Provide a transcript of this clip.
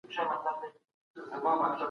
باطل مال خوړل د انسان روح مړ کوي.